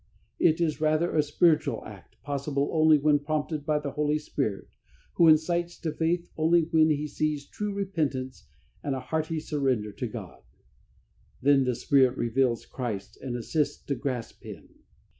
It is rather a spiritual act possible only when prompted by the Holy Spirit, who incites to faith only when He sees true repentance and a hearty surrender to God. Then the Spirit reveals Christ and assists to grasp Him.